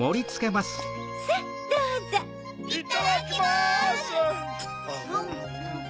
いただきます！